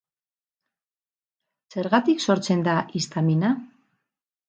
Zergatik sortzen da histamina?